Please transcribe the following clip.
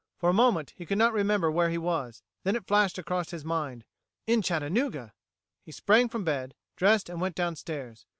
For a moment he could not remember where he was; then it flashed across his mind. In Chattanooga! He sprang from bed, dressed and went downstairs.